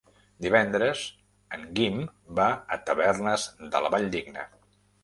Divendres en Guim va a Tavernes de la Valldigna.